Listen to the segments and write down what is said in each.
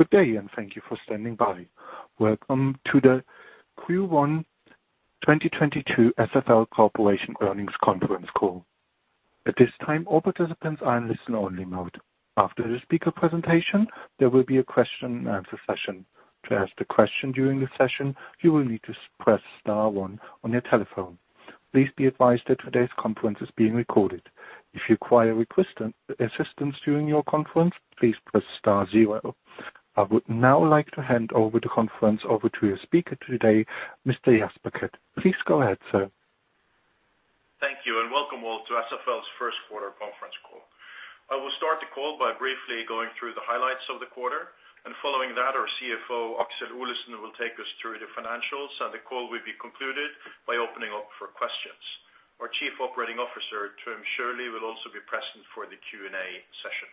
Good day, and thank you for standing by. Welcome to the Q1 2022 SFL Corporation Earnings Conference Call. At this time, all participants are in listen only mode. After the speaker presentation, there will be a Q&A session. To ask the question during the session, you will need to press star one on your telephone. Please be advised that today's conference is being recorded. If you require assistance during your conference, please press star zero. I would now like to hand over the conference to your speaker today, Mr. Ole Hjertaker. Please go ahead, sir. Thank you, and welcome all to SFL's first quarter conference call. I will start the call by briefly going through the highlights of the quarter. Following that, our CFO, Aksel Olesen, will take us through the financials, and the call will be concluded by opening up for questions. Our Chief Operating Officer, Trym Sjølie, will also be present for the Q&A session.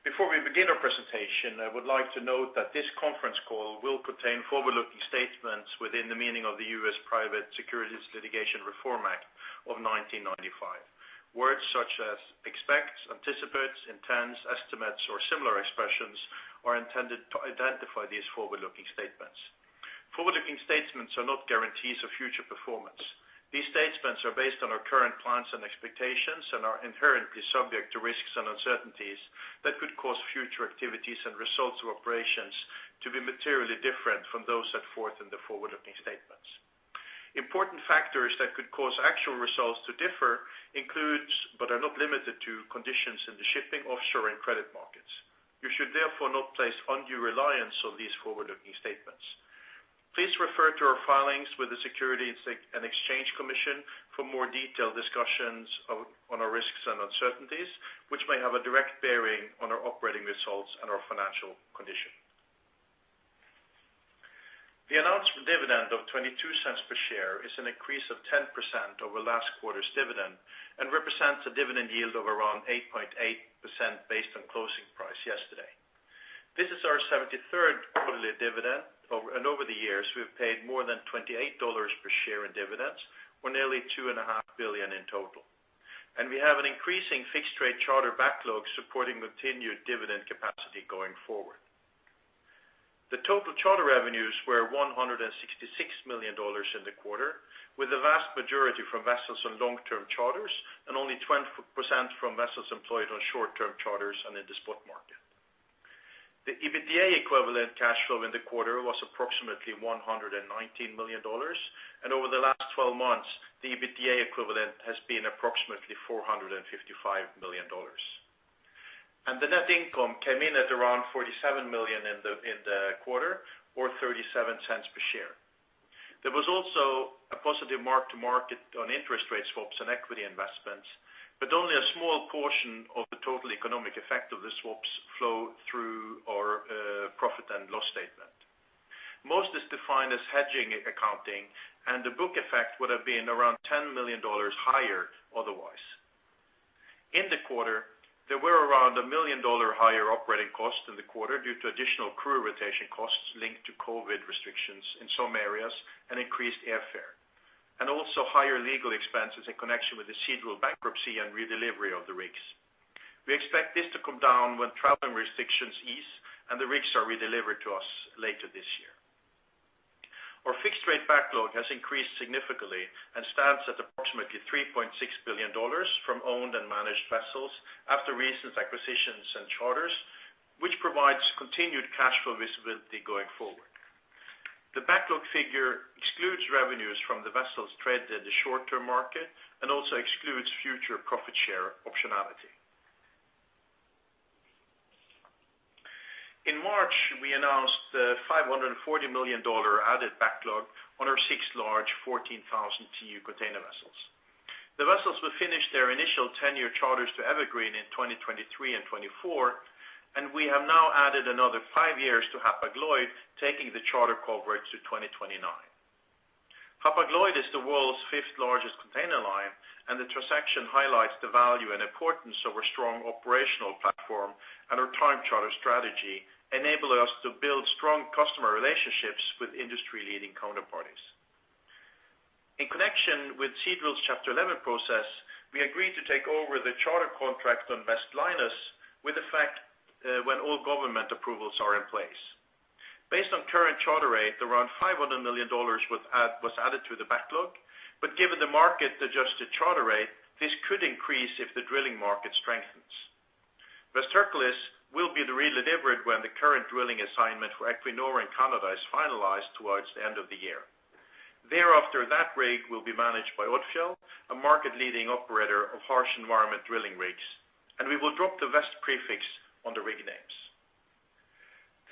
Before we begin our presentation, I would like to note that this conference call will contain forward-looking statements within the meaning of the U.S. Private Securities Litigation Reform Act of 1995. Words such as expect, anticipate, intends, estimates, or similar expressions are intended to identify these forward-looking statements. Forward-looking statements are not guarantees of future performance. These statements are based on our current plans and expectations and are inherently subject to risks and uncertainties that could cause future activities and results of operations to be materially different from those set forth in the forward-looking statements. Important factors that could cause actual results to differ includes, but are not limited to, conditions in the shipping, offshore, and credit markets. You should therefore not place undue reliance on these forward-looking statements. Please refer to our filings with the Securities and Exchange Commission for more detailed discussions of our risks and uncertainties, which may have a direct bearing on our operating results and our financial condition. The announced dividend of $0.22 per share is an increase of 10% over last quarter's dividend and represents a dividend yield of around 8.8% based on closing price yesterday. This is our 73rd quarterly dividend, over and over the years, we've paid more than $28 per share in dividends or nearly $2.5 billion in total. We have an increasing fixed rate charter backlog supporting continued dividend capacity going forward. The total charter revenues were $166 million in the quarter, with the vast majority from vessels on long-term charters and only 20% from vessels employed on short-term charters and in the spot market. The EBITDA equivalent cash flow in the quarter was approximately $119 million, and over the last 12 months, the EBITDA equivalent has been approximately $455 million. The net income came in at around $47 million in the quarter or $0.37 per share. There was also a positive mark to market on interest rate swaps and equity investments, but only a small portion of the total economic effect of the swaps flow through our profit and loss statement. Most is defined as hedging in accounting, and the book effect would have been around $10 million higher otherwise. In the quarter, there were around $1 million higher operating costs in the quarter due to additional crew rotation costs linked to COVID restrictions in some areas and increased airfare, and also higher legal expenses in connection with the Seadrill bankruptcy and redelivery of the rigs. We expect this to come down when travel restrictions ease and the rigs are redelivered to us later this year. Our fixed rate backlog has increased significantly and stands at approximately $3.6 billion from owned and managed vessels after recent acquisitions and charters, which provides continued cash flow visibility going forward. The backlog figure excludes revenues from the vessels traded at the short-term market and also excludes future profit share optionality. In March, we announced the $540 million added backlog on our six large 14,000 TEU container vessels. The vessels will finish their initial 10-year charters to Evergreen in 2023 and 2024, and we have now added another 5 years to Hapag-Lloyd, taking the charter coverage to 2029. Hapag-Lloyd is the world's fifth-largest container line, and the transaction highlights the value and importance of our strong operational platform and our time charter strategy, enabling us to build strong customer relationships with industry-leading counterparties. In connection with Seadrill's Chapter 11 process, we agreed to take over the charter contract on West Linus with effect, when all government approvals are in place. Based on current charter rate, around $500 million was added to the backlog. Given the market-adjusted charter rate, this could increase if the drilling market strengthens. West Hercules will be redelivered when the current drilling assignment for Equinor in Canada is finalized towards the end of the year. Thereafter, that rig will be managed by Odfjell, a market-leading operator of harsh environment drilling rigs, and we will drop the West prefix on the rig names.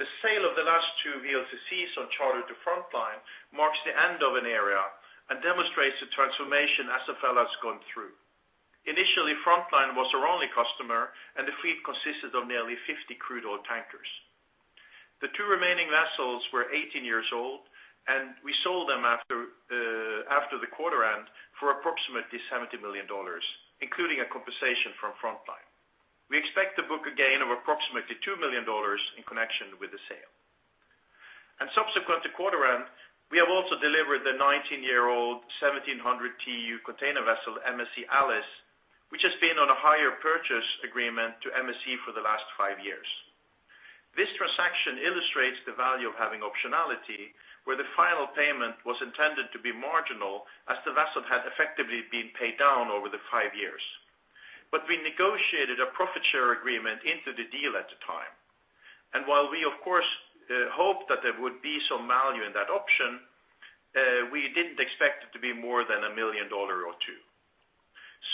The sale of the last two VLCCs on charter to Frontline marks the end of an era and demonstrates the transformation SFL has gone through. Initially, Frontline was our only customer, and the fleet consisted of nearly 50 crude oil tankers. The two remaining vessels were 18 years old, and we sold them after the quarter end for approximately $70 million, including a compensation from Frontline. We expect to book a gain of approximately $2 million in connection with the sale. Subsequent to quarter end, we have also delivered the 19-year-old 1,700 TEU container vessel, MSC Alice, which has been on a hire purchase agreement to MSC for the last five years. This transaction illustrates the value of having optionality, where the final payment was intended to be marginal as the vessel had effectively been paid down over the five years. We negotiated a profit share agreement into the deal at the time. While we of course hoped that there would be some value in that option, we didn't expect it to be more than $1 million or $2 million.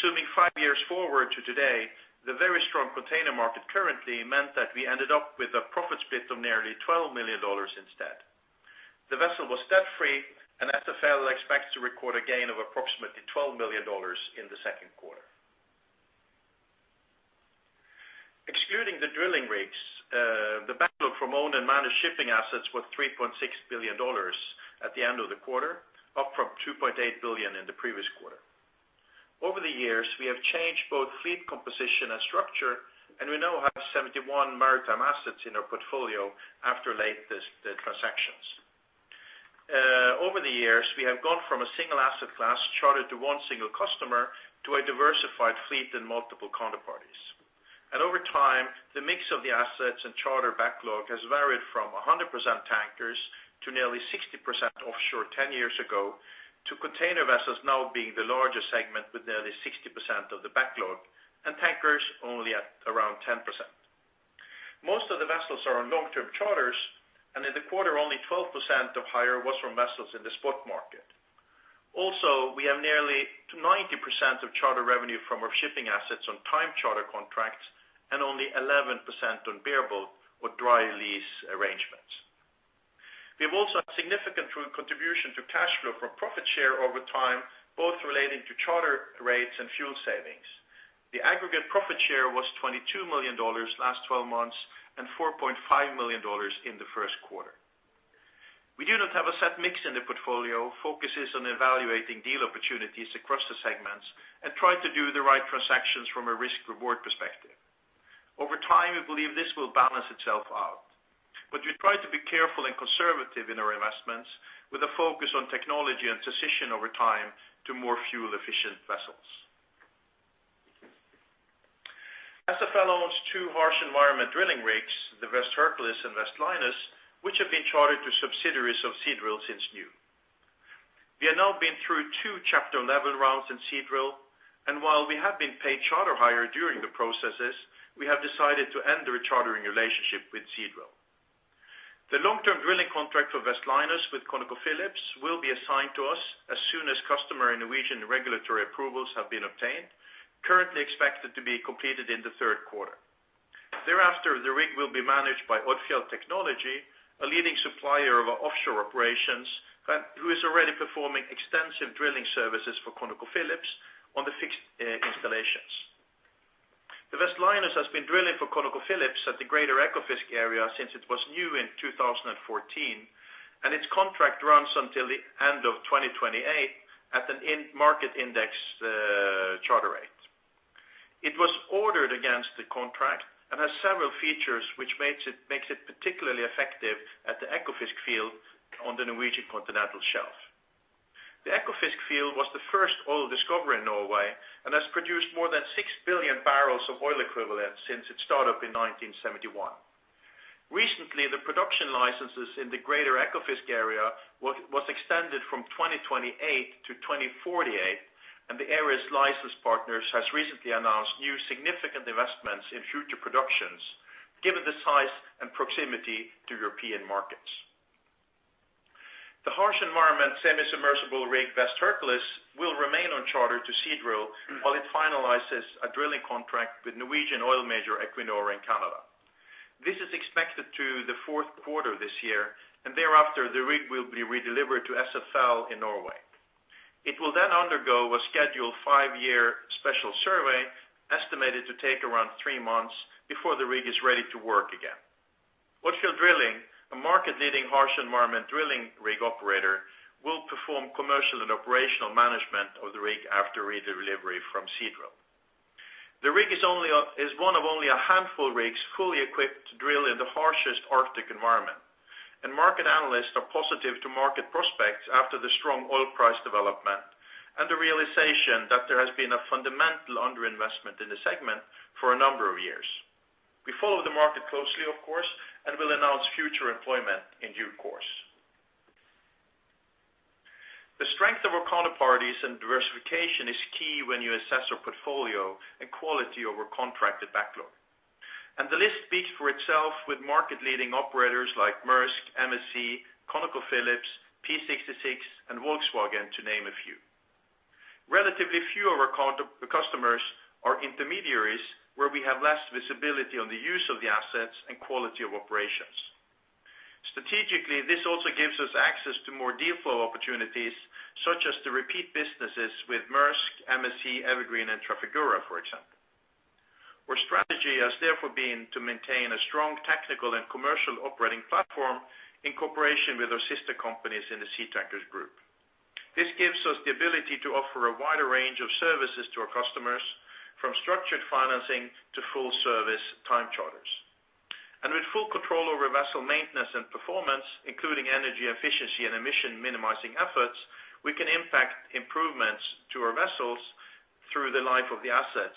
Zooming five years forward to today, the very strong container market currently meant that we ended up with a profit split of nearly $12 million instead. The vessel was debt-free, and SFL expects to record a gain of approximately $12 million in the second quarter. Excluding the drilling rigs, the backlog from owned and managed shipping assets was $3.6 billion at the end of the quarter, up from $2.8 billion in the previous quarter. Over the years, we have changed both fleet composition and structure, and we now have 71 maritime assets in our portfolio after the latest transactions. Over the years, we have gone from a single asset class chartered to one single customer to a diversified fleet in multiple counterparties. Over time, the mix of the assets and charter backlog has varied from 100% tankers to nearly 60% offshore 10 years ago, to container vessels now being the largest segment with nearly 60% of the backlog and tankers only at around 10%. Most of the vessels are on long-term charters, and in the quarter, only 12% of hire was from vessels in the spot market. Also, we have nearly 90% of charter revenue from our shipping assets on time charter contracts and only 11% on bareboat or dry lease arrangements. We've also had significant contribution to cash flow from profit share over time, both relating to charter rates and fuel savings. The aggregate profit share was $22 million last twelve months and $4.5 million in the first quarter. We do not have a set mix in the portfolio, focus is on evaluating deal opportunities across the segments and try to do the right transactions from a risk-reward perspective. Over time, we believe this will balance itself out. We try to be careful and conservative in our investments with a focus on technology and decisions over time to more fuel-efficient vessels. SFL owns two harsh environment drilling rigs, the West Hercules and West Linus, which have been chartered to subsidiaries of Seadrill since new. We have now been through two Chapter Eleven rounds in Seadrill, and while we have been paid charter hire during the processes, we have decided to end the chartering relationship with Seadrill. The long-term drilling contract for West Linus with ConocoPhillips will be assigned to us as soon as customer and Norwegian regulatory approvals have been obtained, currently expected to be completed in the third quarter. Thereafter, the rig will be managed by Odfjell Technology, a leading supplier of offshore operations, who is already performing extensive drilling services for ConocoPhillips on the fixed installations. The West Linus has been drilling for ConocoPhillips at the Greater Ekofisk area since it was new in 2014, and its contract runs until the end of 2028 at an in-market index charter rate. It was ordered against the contract and has several features which makes it particularly effective at the Ekofisk field on the Norwegian Continental Shelf. The Ekofisk field was the first oil discovery in Norway and has produced more than 6 billion barrels of oil equivalent since its startup in 1971. Recently, the production licenses in the greater Ekofisk area was extended from 2028 to 2048, and the area's license partners has recently announced new significant investments in future productions, given the size and proximity to European markets. The harsh environment, semi-submersible rig, West Hercules, will remain on charter to Seadrill while it finalizes a drilling contract with Norwegian oil major Equinor in Canada. This is expected through the fourth quarter this year, and thereafter the rig will be redelivered to SFL in Norway. It will then undergo a scheduled 5-year special survey estimated to take around 3 months before the rig is ready to work again. Odfjell Drilling, a market-leading harsh environment drilling rig operator, will perform commercial and operational management of the rig after redelivery from Seadrill. The rig is one of only a handful of rigs fully equipped to drill in the harshest Arctic environment, and market analysts are positive to market prospects after the strong oil price development and the realization that there has been a fundamental underinvestment in the segment for a number of years. We follow the market closely, of course, and we'll announce future employment in due course. The strength of our counterparties and diversification is key when you assess our portfolio and quality over contracted backlog. The list speaks for itself with market-leading operators like Maersk, MSC, ConocoPhillips, Phillips 66, and Volkswagen, to name a few. Relatively few of our customers are intermediaries where we have less visibility on the use of the assets and quality of operations. Strategically, this also gives us access to more deal flow opportunities, such as the repeat businesses with Maersk, MSC, Evergreen, and Trafigura, for example. Our strategy has therefore been to maintain a strong technical and commercial operating platform in cooperation with our sister companies in the Seatankers group. This gives us the ability to offer a wider range of services to our customers, from structured financing to full service time charters. With full control over vessel maintenance and performance, including energy efficiency and emission minimizing efforts, we can impact improvements to our vessels through the life of the assets,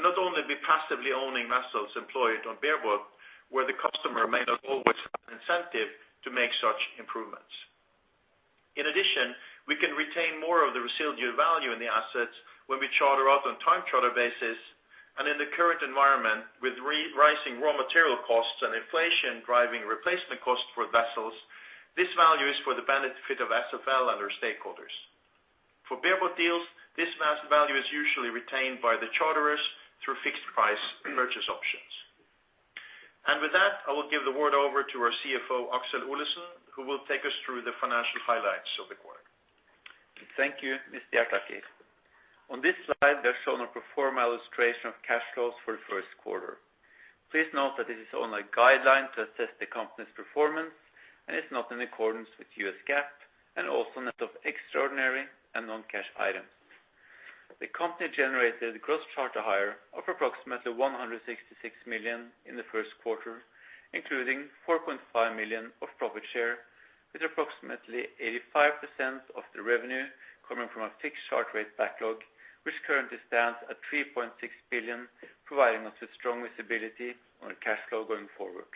and not only be passively owning vessels employed on bareboat, where the customer may not always have incentive to make such improvements. In addition, we can retain more of the residual value in the assets when we charter out on time charter basis, and in the current environment, with re-rising raw material costs and inflation driving replacement costs for vessels, this value is for the benefit of SFL and their stakeholders. For bareboat deals, this mass value is usually retained by the charterers through fixed price purchase options. With that, I will give the word over to our CFO, Aksel Olesen, who will take us through the financial highlights of the quarter. Thank you, Ole Hjertaker. On this slide, they're shown a pro forma illustration of cash flows for the first quarter. Please note that this is only a guideline to assess the company's performance, and it's not in accordance with U.S. GAAP, and also net of extraordinary and non-cash items. The company generated gross charter hire of approximately $166 million in the first quarter, including $4.5 million of profit share, with approximately 85% of the revenue coming from a fixed charter rate backlog, which currently stands at $3.6 billion, providing us with strong visibility on our cash flow going forward.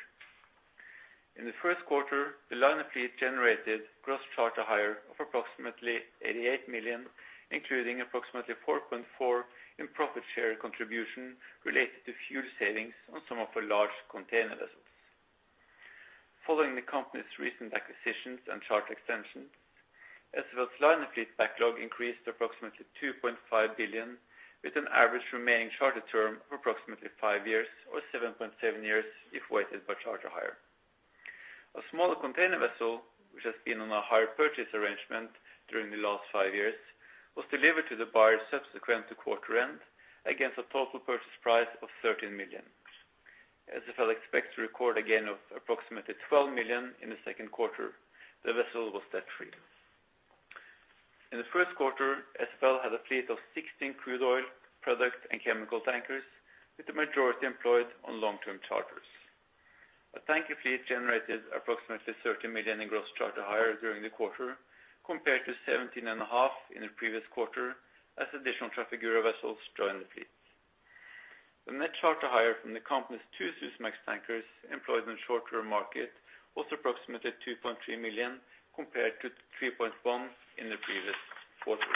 In the first quarter, the liner fleet generated gross charter hire of approximately $88 million, including approximately $4.4 in profit share contribution related to fuel savings on some of our large container vessels. Following the company's recent acquisitions and charter extensions, SFL's liner fleet backlog increased to approximately $2.5 billion, with an average remaining charter term of approximately 5 years or 7.7 years if weighted by charter hire. A smaller container vessel, which has been on a hire purchase arrangement during the last 5 years, was delivered to the buyer subsequent to quarter end against a total purchase price of $13 million. SFL expects to record a gain of approximately $12 million in the second quarter. The vessel was debt-free. In the first quarter, SFL had a fleet of 16 crude oil, product, and chemical tankers, with the majority employed on long-term charters. A tanker fleet generated approximately $30 million in gross charter hire during the quarter, compared to $17.5 million in the previous quarter, as additional Trafigura vessels joined the fleet. The net charter hire from the company's two Suezmax tankers employed in the short-term market was approximately $2.3 million, compared to $3.1 million in the previous quarter.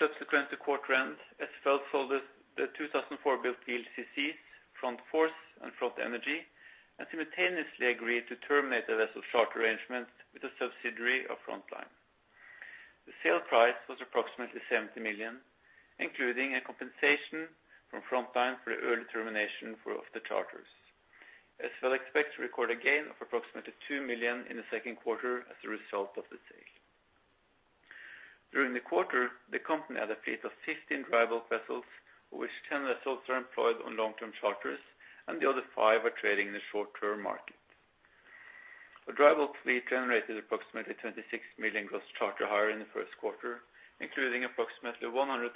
Subsequent to quarter end, SFL sold the 2004-built VLCCs, Front Force and Front Energy, and simultaneously agreed to terminate the vessel charter arrangements with a subsidiary of Frontline. The sale price was approximately $70 million, including a compensation from Frontline for the early termination of the charters. SFL expects to record a gain of approximately $2 million in the second quarter as a result of the sale. During the quarter, the company had a fleet of 15 dry bulk vessels, of which 10 vessels are employed on long-term charters, and the other five are trading in the short-term market. The dry bulk fleet generated approximately $26 million gross charter hire in the first quarter, including approximately $100,000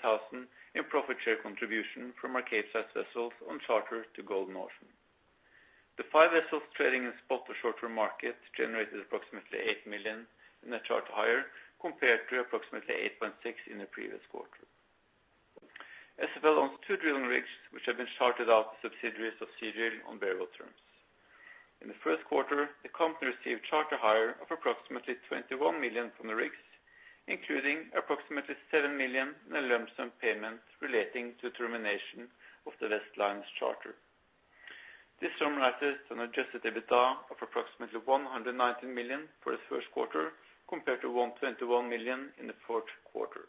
in profit share contribution from Capesize vessels on charter to Golden Ocean. The five vessels trading in spot or short-term market generated approximately $8 million in net charter hire, compared to approximately $8.6 million in the previous quarter. SFL owns two drilling rigs, which have been chartered out to subsidiaries of Seadrill on bareboat terms. In the first quarter, the company received charter hire of approximately $21 million from the rigs, including approximately $7 million in a lump sum payment relating to the termination of the West Linus charter. This summarizes an adjusted EBITDA of approximately $119 million for the first quarter, compared to $121 million in the fourth quarter.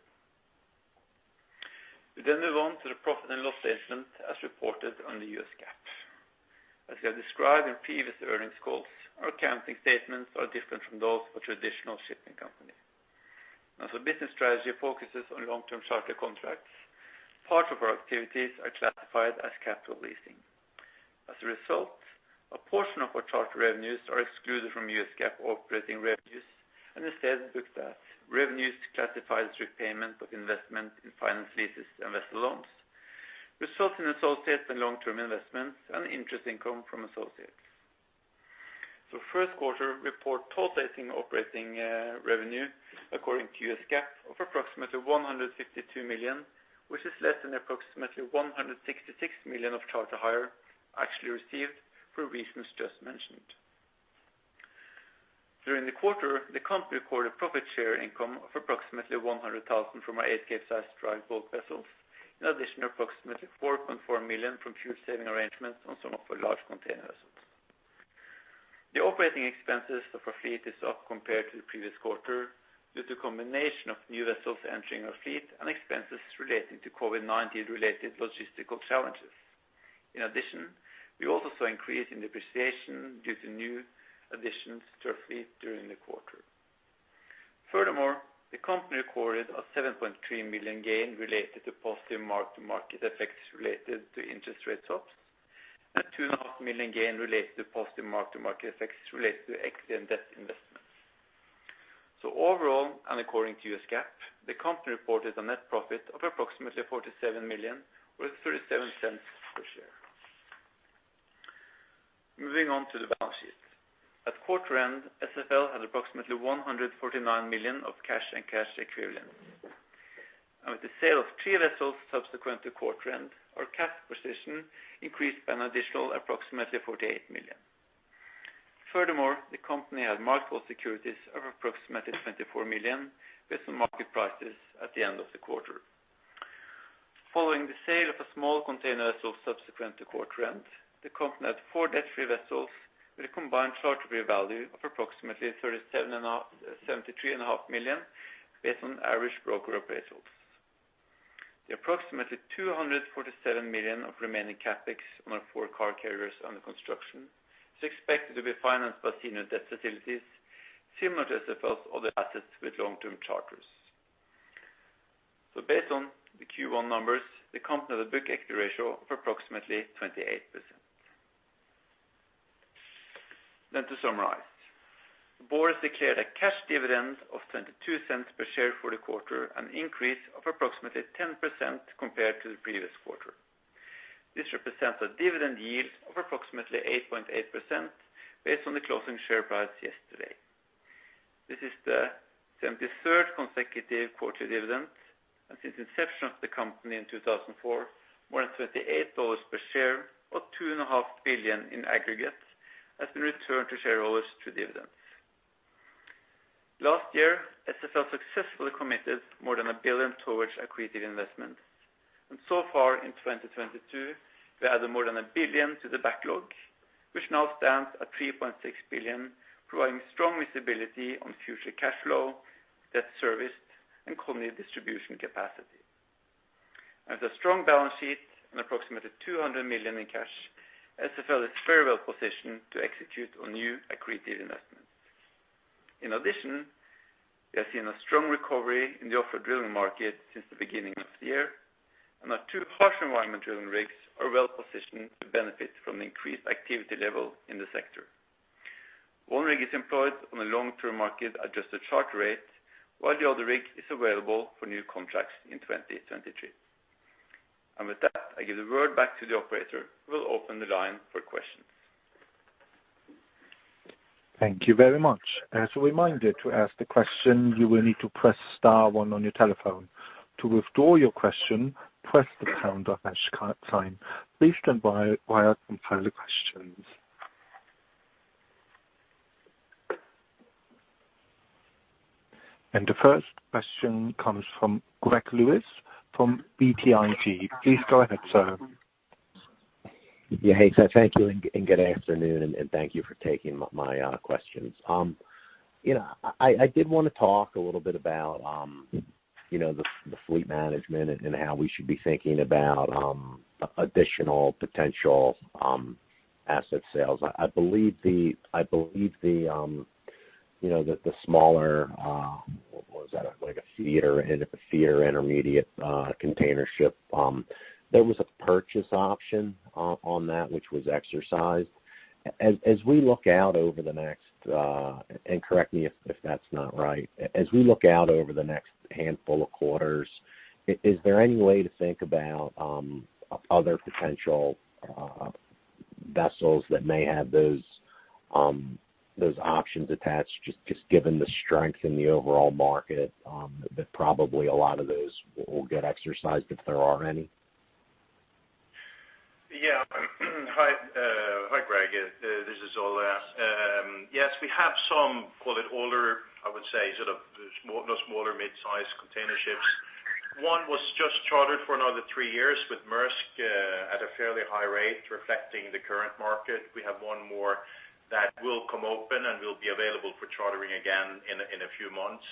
We move on to the profit and loss statement as reported under U.S. GAAP. As we have described in previous earnings calls, our accounting statements are different from those of a traditional shipping company. As our business strategy focuses on long-term charter contracts, part of our activities are classified as capital leasing. As a result, a portion of our charter revenues are excluded from U.S. GAAP operating revenues and instead booked as revenues classified as repayment of investment in finance leases and vessel loans, resulting in associates and long-term investments and interest income from associates. First quarter report total operating revenue according to U.S. GAAP of approximately $152 million, which is less than approximately $166 million of charter hire actually received for reasons just mentioned. During the quarter, the company recorded profit share income of approximately $100,000 from our 8 Capesize dry bulk vessels, in addition to approximately $4.4 million from fuel saving arrangements on some of our large container vessels. The operating expenses of our fleet is up compared to the previous quarter due to a combination of new vessels entering our fleet and expenses relating to COVID-19 related logistical challenges. In addition, we also saw increase in depreciation due to new additions to our fleet during the quarter. Furthermore, the company recorded a $7.3 million gain related to positive mark-to-market effects related to interest rate swaps. A $2.5 million gain related to positive mark-to-market effects related to equity and debt investments. Overall, and according to U.S. GAAP, the company reported a net profit of approximately $47 million, or $0.37 per share. Moving on to the balance sheet. At quarter end, SFL had approximately $149 million of cash and cash equivalents. With the sale of three vessels subsequent to quarter end, our cash position increased by an additional approximately $48 million. Furthermore, the company had marketable securities of approximately $24 million based on market prices at the end of the quarter. Following the sale of a small container vessel subsequent to quarter end, the company had four debt-free vessels with a combined charter present value of approximately $73.5 million based on average broker appraisals. The approximately $247 million of remaining CapEx on our four car carriers under construction is expected to be financed by senior debt facilities similar to SFL's other assets with long-term charters. Based on the Q1 numbers, the company has a book equity ratio of approximately 28%. To summarize, the board has declared a cash dividend of $0.22 per share for the quarter, an increase of approximately 10% compared to the previous quarter. This represents a dividend yield of approximately 8.8% based on the closing share price yesterday. This is the 73rd consecutive quarterly dividend, and since inception of the company in 2004, more than $28 per share or $2.5 billion in aggregate has been returned to shareholders through dividends. Last year, SFL successfully committed more than $1 billion towards accretive investments. So far in 2022, we added more than $1 billion to the backlog, which now stands at $3.6 billion, providing strong visibility on future cash flow, debt service, and dividend distribution capacity. With a strong balance sheet and approximately $200 million in cash, SFL is very well positioned to execute on new accretive investments. In addition, we have seen a strong recovery in the offshore drilling market since the beginning of the year, and our two harsh environment drilling rigs are well positioned to benefit from the increased activity level in the sector. One rig is employed on a long-term market adjusted charter rate, while the other rig is available for new contracts in 2023. With that, I give the word back to the operator, who will open the line for questions. Thank you very much. As a reminder, to ask the question, you will need to press star one on your telephone. To withdraw your question, press the pound or hash key. Please stand by while I compile the questions. The first question comes from Greg Lewis from BTIG. Please go ahead, sir. Yeah. Hey, so thank you and good afternoon, and thank you for taking my questions. You know, I did wanna talk a little bit about you know, the fleet management and how we should be thinking about additional potential asset sales. I believe the smaller, what was that? Like, a feeder or a feeder intermediate container ship. There was a purchase option on that which was exercised. As we look out over the next. Correct me if that's not right. As we look out over the next handful of quarters, is there any way to think about other potential vessels that may have those options attached, just given the strength in the overall market, that probably a lot of those will get exercised if there are any? Hi, Greg. This is Ole. Yes, we have some, call it older. I would say sort of smaller midsize container ships. One was just chartered for another three years with Maersk at a fairly high rate reflecting the current market. We have one more that will come open and will be available for chartering again in a few months.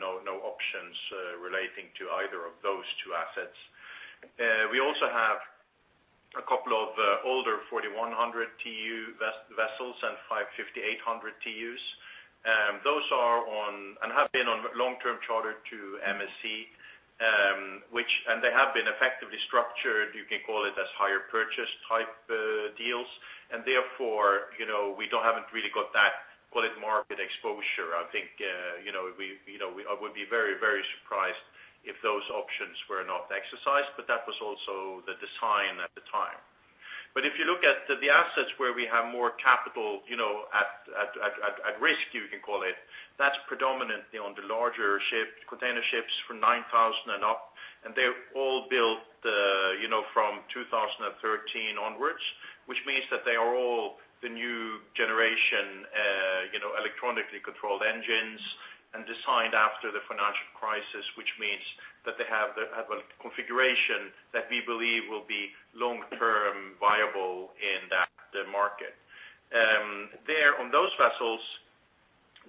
No options relating to either of those two assets. We also have a couple of older 4,100 TEU vessels and 5,800 TEUs. Those are on and have been on long-term charter to MSC, which they have been effectively structured. You can call it as hire purchase type deals. Therefore, you know, we haven't really got that, call it market exposure. I think, you know, I would be very surprised if those options were not exercised, but that was also the design at the time. If you look at the assets where we have more capital, you know, at risk you can call it, that's predominantly on the larger ships, container ships from 9,000 and up, and they're all built, you know, from 2013 onwards. Which means that they are all the new generation, you know, electronically controlled engines and designed after the financial crisis, which means that they have a configuration that we believe will be long-term viable in the market. They're on those vessels,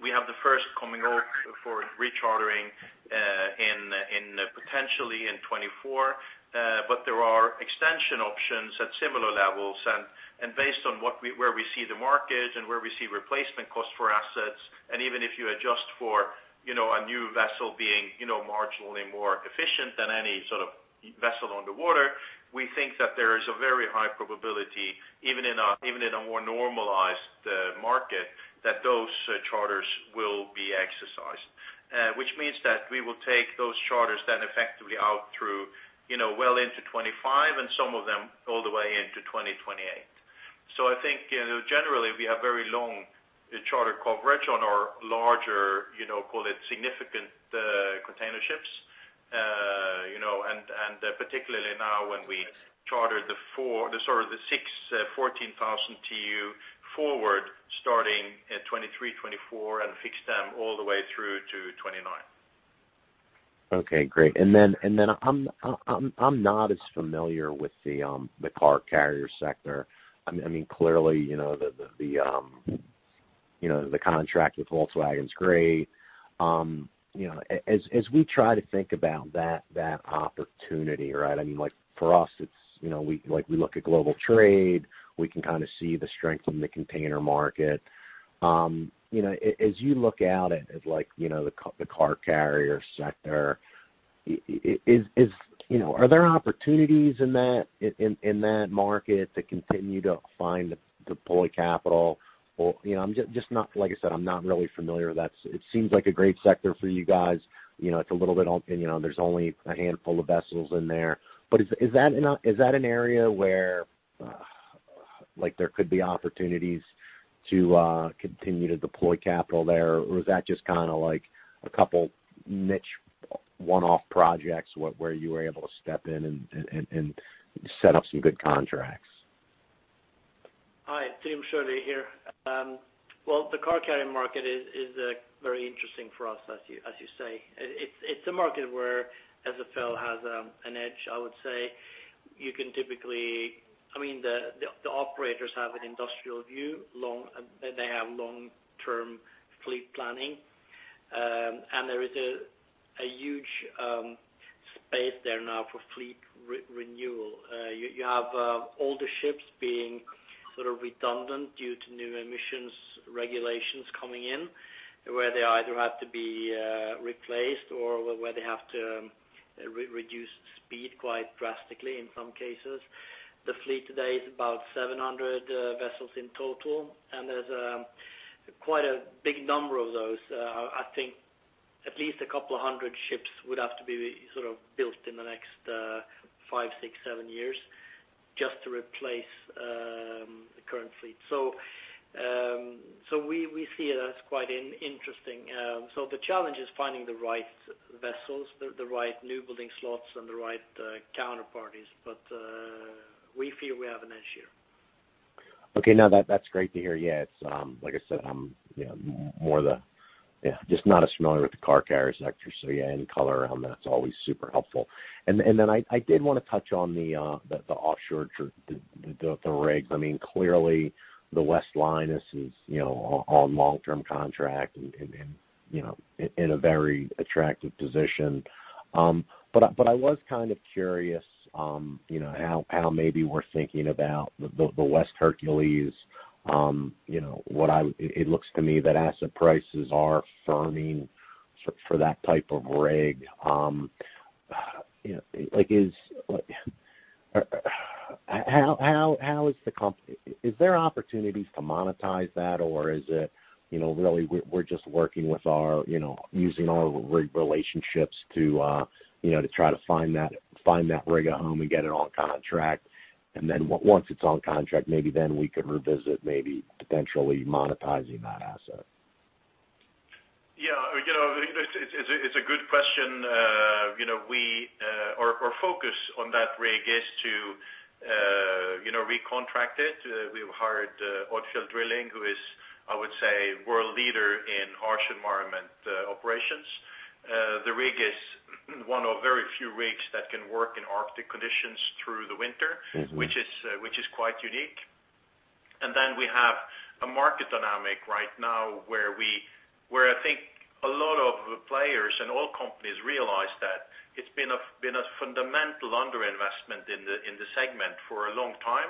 we have the first coming up for rechartering in potentially 2024. There are extension options at similar levels. Based on where we see the market and where we see replacement cost for assets, and even if you adjust for, you know, a new vessel being, you know, marginally more efficient than any sort of vessel on the water, we think that there is a very high probability, even in a more normalized market, that those charters will be exercised. Which means that we will take those charters then effectively out through, you know, well into 2025 and some of them all the way into 2028. I think, you know, generally we have very long charter coverage on our larger, you know, call it significant container ships, you know, and particularly now when we charter the six 14,000 TEU forward starting in 2023, 2024 and fix them all the way through to 2029. Okay, great. I'm not as familiar with the car carrier sector. I mean, clearly, you know, the contract with Volkswagen is great. You know, as we try to think about that opportunity, right? I mean, like for us, it's, you know, we look at global trade, we can kind of see the strength in the container market. You know, as you look out at, like, you know, the car carrier sector, is, you know, are there opportunities in that market to continue to find, deploy capital or, you know, I'm just not, like I said, I'm not really familiar with that. It seems like a great sector for you guys. You know, it's a little bit on, you know, there's only a handful of vessels in there. Is that an area where, like, there could be opportunities to continue to deploy capital there? Or is that just kinda like a couple niche one-off projects where you were able to step in and set up some good contracts? Hi, Trym Sjølie here. Well, the car carrier market is very interesting for us, as you say. It's a market where SFL has an edge, I would say. You can typically I mean, the operators have an industrial view, they have long-term fleet planning. There is a huge space there now for fleet renewal. You have older ships being sort of redundant due to new emissions regulations coming in, where they either have to be replaced or where they have to reduce speed quite drastically in some cases. The fleet today is about 700 vessels in total, and there's quite a big number of those. I think at least a couple of hundred ships would have to be sort of built in the next 5, 6, 7 years just to replace the current fleet. We see it as quite interesting. The challenge is finding the right vessels, the right new building slots and the right counterparties. We feel we have an edge here. Okay. No, that's great to hear. Yeah, it's like I said, I'm you know just not as familiar with the car carrier sector. So yeah, any color around that is always super helpful. Then I did wanna touch on the offshore rigs. I mean, clearly the West Linus is you know on long-term contract and you know in a very attractive position. But I was kind of curious you know how maybe we're thinking about the West Hercules. You know, it looks to me that asset prices are firming for that type of rig. Like, how are the comps? Is there opportunities to monetize that? Is it, you know, really we're just working with our, you know, using our rig relationships to, you know, to try to find that rig a home and get it on contract, and then once it's on contract, maybe then we could revisit maybe potentially monetizing that asset. Yeah. You know, it's a good question. You know, our focus on that rig is to you know, recontract it. We've hired Odfjell Drilling, who is, I would say, world leader in harsh environment operations. The rig is one of very few rigs that can work in Arctic conditions through the winter. Mm-hmm. Which is quite unique. Then we have a market dynamic right now where I think a lot of players and oil companies realize that it's been a fundamental underinvestment in the segment for a long time.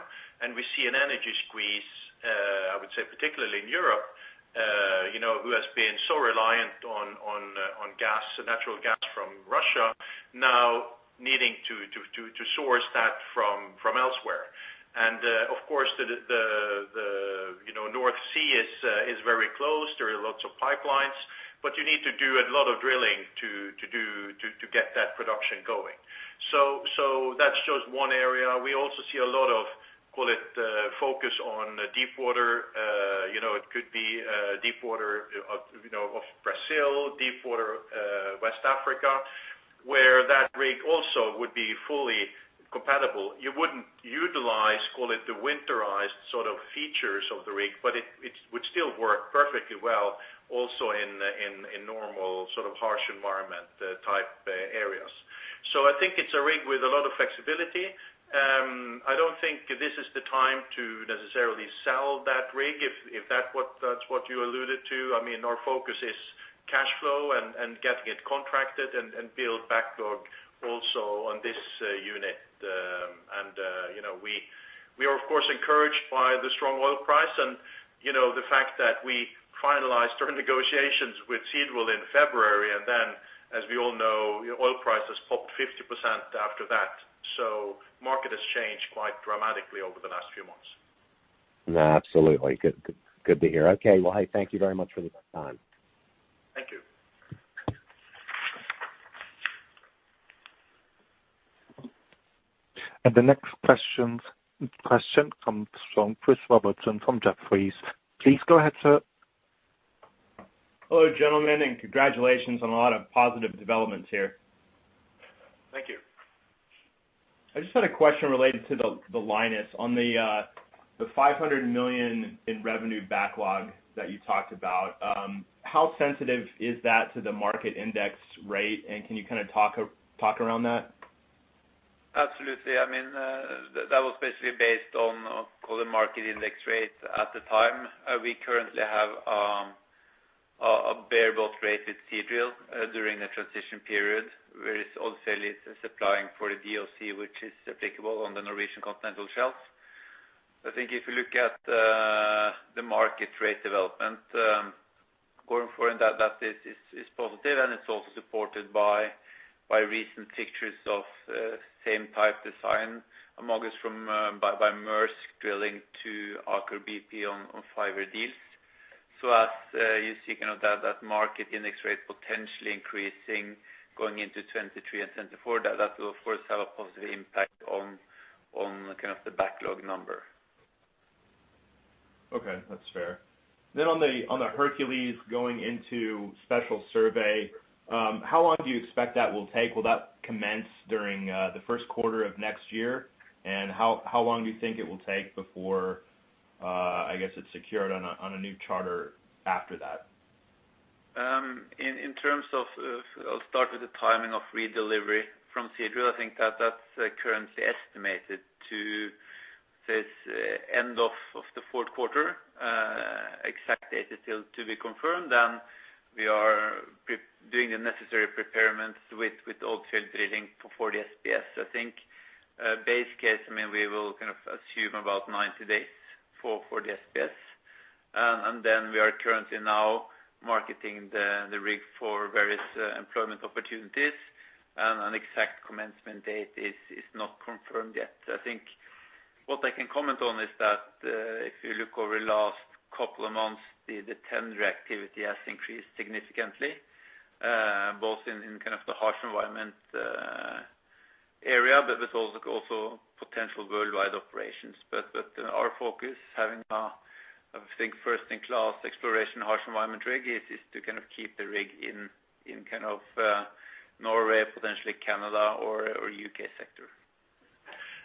We see an energy squeeze, I would say particularly in Europe, you know, who has been so reliant on gas, natural gas from Russia now needing to source that from elsewhere. Of course, the North Sea is very close. There are lots of pipelines, but you need to do a lot of drilling to get that production going. That shows one area. We also see a lot of, call it, focus on deep water. You know, it could be deep water of Brazil, deep water West Africa, where that rig also would be fully compatible. You wouldn't utilize, call it, the winterized sort of features of the rig, but it would still work perfectly well also in normal, sort of harsh environment type areas. I think it's a rig with a lot of flexibility. I don't think this is the time to necessarily sell that rig, if that's what you alluded to. I mean, our focus is cash flow and getting it contracted and build backlog also on this unit. We are of course encouraged by the strong oil price and, you know, the fact that we finalized our negotiations with Seadrill in February, and then as we all know, oil prices popped 50% after that. Market has changed quite dramatically over the last few months. No, absolutely. Good to hear. Okay. Well, hey, thank you very much for the time. Thank you. The next question comes from Chris Robertson from Jefferies. Please go ahead, sir. Hello, gentlemen, and congratulations on a lot of positive developments here. Thank you. I just had a question related to the West Linus. On the $500 million in revenue backlog that you talked about, how sensitive is that to the market index rate? Can you kind of talk around that? Absolutely. I mean, that was basically based on call it market index rate at the time. We currently have a bareboat rate with Seadrill during the transition period, whereas Odfjell is supplying for the DOC, which is applicable on the Norwegian continental shelf. I think if you look at the market rate development going forward, that is positive and it's also supported by recent fix of same type design among others from Maersk Drilling to Aker BP on five-year deals. As you see kind of that market index rate potentially increasing going into 2023 and 2024, that will of course have a positive impact on kind of the backlog number. Okay, that's fair. On the Hercules going into special survey, how long do you expect that will take? Will that commence during the first quarter of next year? How long do you think it will take before I guess it's secured on a new charter after that? I'll start with the timing of redelivery from Seadrill. I think that's currently estimated to. I'd say it's end of the fourth quarter. Exact date is still to be confirmed, and we are preparing the necessary preparations with Odfjell Drilling for the SPS. I think base case, I mean, we will kind of assume about 90 days for the SPS. Then we are currently now marketing the rig for various employment opportunities, and an exact commencement date is not confirmed yet. I think what I can comment on is that if you look over the last couple of months, the tender activity has increased significantly, both in kind of the harsh environment area, but it's also potential worldwide operations. Our focus having a, I think, first in class exploration harsh environment rig is to kind of keep the rig in kind of Norway, potentially Canada or U.K. sector.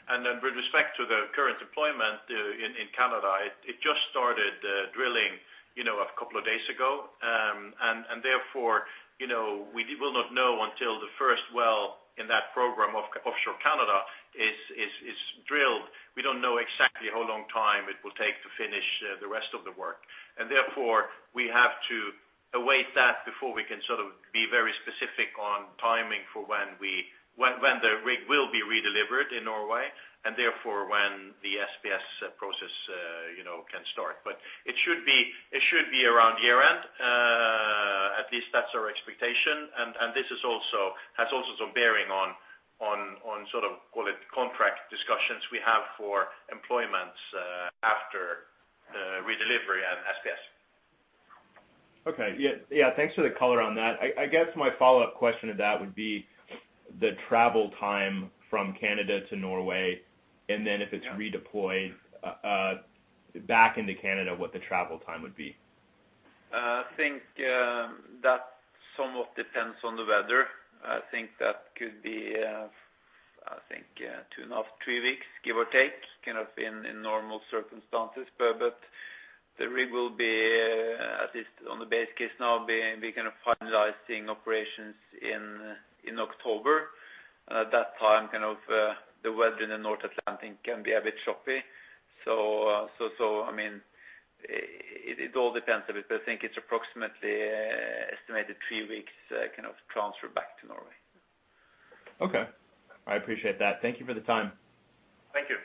Then with respect to the current employment, in Canada, it just started drilling, you know, a couple of days ago. Therefore, you know, we will not know until the first well in that program of offshore Canada is drilled. We don't know exactly how long time it will take to finish the rest of the work. Therefore, we have to await that before we can sort of be very specific on timing for when the rig will be redelivered in Norway, and therefore when the SPS process, you know, can start. It should be around year-end. At least that's our expectation. This also has some bearing on sort of, call it contract discussions we have for employments, redelivery and SPS. Okay. Yeah, thanks for the color on that. I guess my follow-up question to that would be the travel time from Canada to Norway, and then if it's redeployed back into Canada, what the travel time would be. I think that somewhat depends on the weather. I think that could be 2.5, 3 weeks, give or take, kind of in normal circumstances. The rig will be at least on the base case now kind of finalizing operations in October. At that time, kind of, the weather in the North Atlantic can be a bit choppy. I mean, it all depends a bit, but I think it's approximately estimated 3 weeks kind of transfer back to Norway. Okay. I appreciate that. Thank you for the time. Thank you.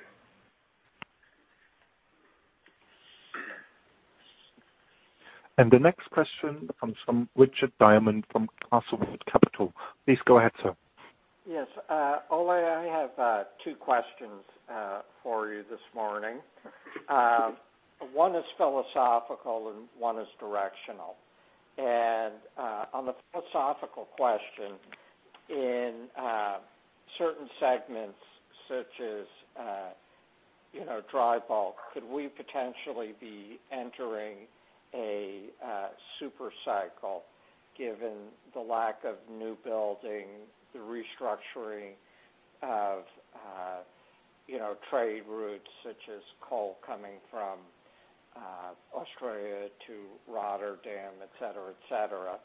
The next question comes from Richard Diamond from Castlewood Capital Partners. Please go ahead, sir. Yes. Ole, I have two questions for you this morning. One is philosophical and one is directional. On the philosophical question, in certain segments such as you know, dry bulk, could we potentially be entering a super cycle given the lack of new building, the restructuring of you know, trade routes such as coal coming from Australia to Rotterdam, et cetera, et cetera?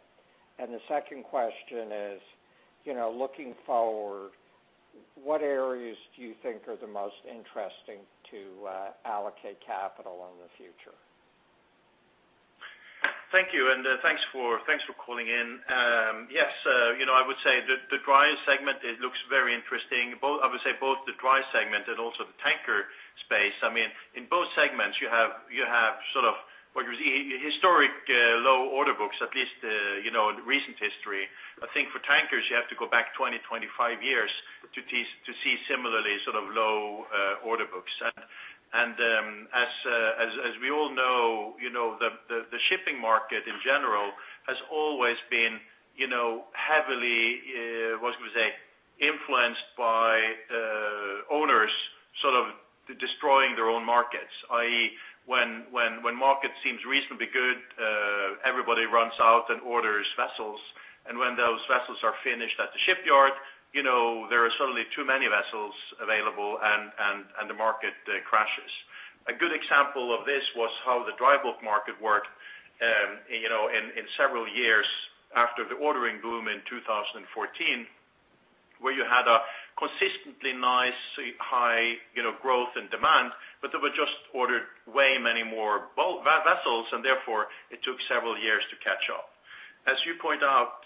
The second question is, you know, looking forward, what areas do you think are the most interesting to allocate capital in the future? Thank you, and thanks for calling in. Yes, you know, I would say the dry segment looks very interesting. Both the dry segment and also the tanker space. I mean, in both segments you have sort of what you would see, historic low order books at least, you know, in recent history. I think for tankers you have to go back 20-25 years to see similarly sort of low order books. As we all know, you know, the shipping market in general has always been, you know, heavily what you would say, influenced by owners sort of destroying their own markets, i.e., when market seems reasonably good, everybody runs out and orders vessels. When those vessels are finished at the shipyard, you know, there are suddenly too many vessels available and the market crashes. A good example of this was how the dry bulk market worked, you know, in several years after the ordering boom in 2014, where you had a consistently nice, high, you know growth and demand, but there were just ordered way many more vessels and therefore it took several years to catch up. As you point out,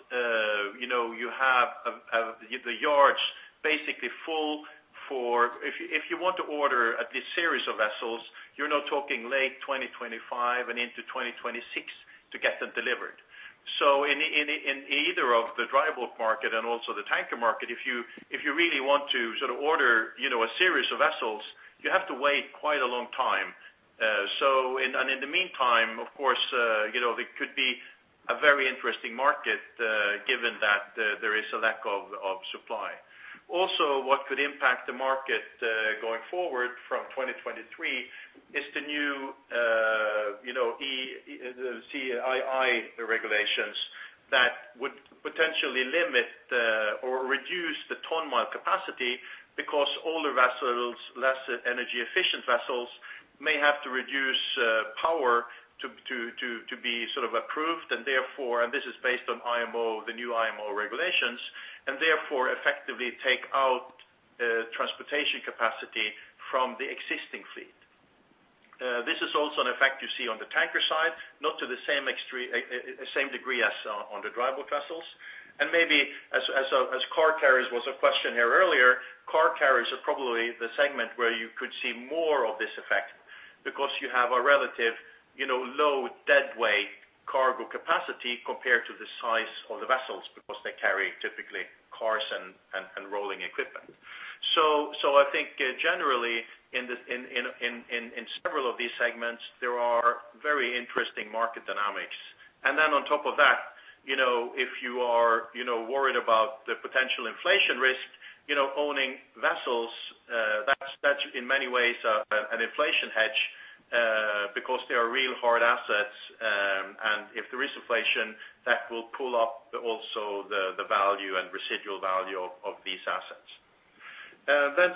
you know, you have the yards basically full. If you want to order this series of vessels, you're now talking late 2025 and into 2026 to get them delivered. In either of the dry bulk market and also the tanker market, if you really want to sort of order, you know, a series of vessels, you have to wait quite a long time. In the meantime, of course, you know, it could be a very interesting market, given that there is a lack of supply. Also, what could impact the market going forward from 2023 is the new, you know, EEXI/CII regulations that would potentially limit the, or reduce the ton-mile capacity because older vessels, less energy efficient vessels, may have to reduce power to be sort of approved and therefore, and this is based on IMO, the new IMO regulations, and therefore effectively take out transportation capacity from the existing fleet. This is also an effect you see on the tanker side, not to the same extreme, same degree as on the dry bulk vessels. Maybe as car carriers was a question here earlier, car carriers are probably the segment where you could see more of this effect because you have a relative, you know, low dead weight cargo capacity compared to the size of the vessels because they carry typically cars and rolling equipment. I think generally in several of these segments, there are very interesting market dynamics. Then on top of that, you know, if you are, you know, worried about the potential inflation risk, you know, owning vessels, that's in many ways an inflation hedge because they are real hard assets. If there is inflation, that will pull up also the value and residual value of these assets.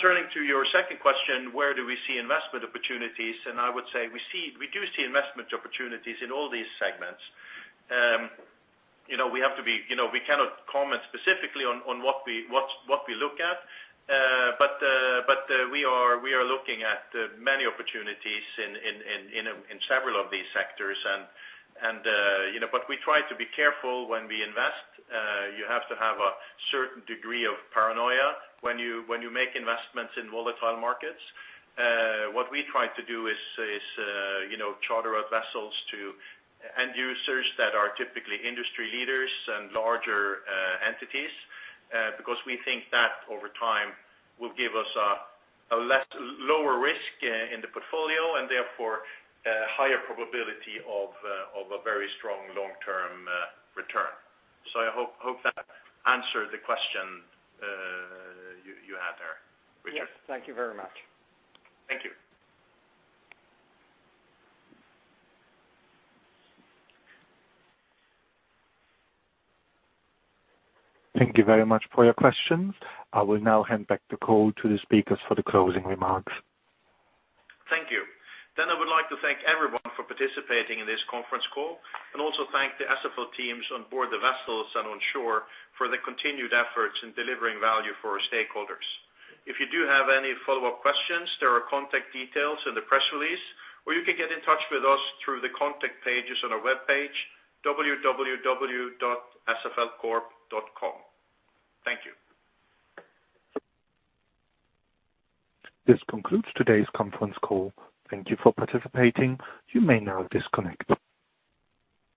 Turning to your second question, where do we see investment opportunities? I would say we do see investment opportunities in all these segments. You know, we have to be. You know, we cannot comment specifically on what we look at. We are looking at many opportunities in several of these sectors. You know, we try to be careful when we invest. You have to have a certain degree of paranoia when you make investments in volatile markets. What we try to do is you know charter out vessels to end users that are typically industry leaders and larger entities because we think that over time will give us a lower risk in the portfolio and therefore higher probability of a very strong long-term return. I hope that answered the question you had there. Yes. Thank you very much. Thank you. Thank you very much for your questions. I will now hand back the call to the speakers for the closing remarks. Thank you. I would like to thank everyone for participating in this conference call. Also thank the SFL teams on board the vessels and on shore for their continued efforts in delivering value for our stakeholders. If you do have any follow-up questions, there are contact details in the press release, or you can get in touch with us through the contact pages on our webpage, www.sflcorp.com. Thank you. This concludes today's conference call. Thank you for participating. You may now disconnect.